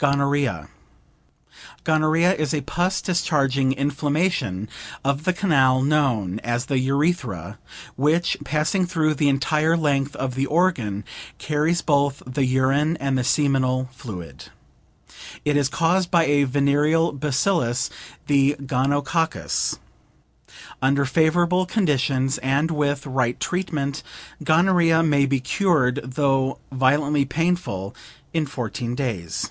GONORRHEA Gonorrhea is a pus discharging inflammation of the canal known as the urethra, which passing through the entire length of the organ, carries both the urine and the seminal fluid. It is caused by a venereal bacillus, the gonococcus. Under favorable conditions and with right treatment, gonorrhea may be cured, though violently painful, in fourteen days.